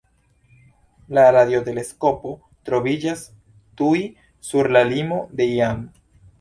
La radioteleskopo troviĝas tuj sur la limo de lan.